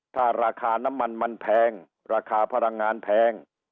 ถ้าราคาน้ำมันมันแพงราคาพลังงานแพง